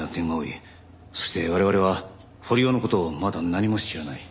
そして我々は堀尾の事をまだ何も知らない。